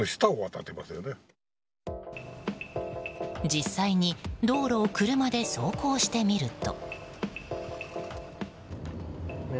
実際に道路を車で走行してみると。